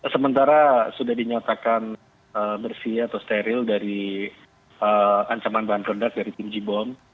sementara sudah dinyatakan bersih atau steril dari ancaman bahan peledak dari tinggi bom